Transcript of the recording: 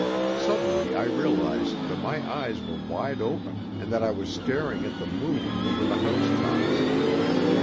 Suddenly I realized that my eyes were wide open and that I was staring at the moon over the housetops.